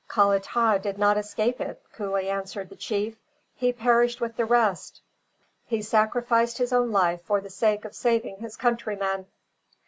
"Kalatah did not escape it," coolly answered the chief. "He perished with the rest. He sacrificed his own life for the sake of saving his countrymen!"